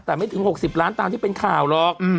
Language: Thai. แต่ไม่ถึง๖๐ล้านตามที่เป็นข่าวหรอก